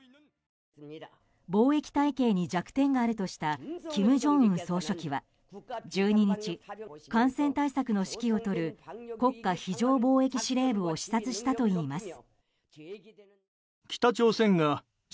防疫体系に弱点があるとした金正恩総書記は１２日、感染対策の指揮を執る国家非常防疫司令部を視察したといいます。